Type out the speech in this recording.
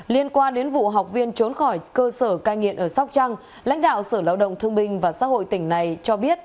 liên quan đến vụ học viên trốn khỏi cơ sở cai nghiện ở sóc trăng lãnh đạo sở lao động thương binh và xã hội tỉnh này cho biết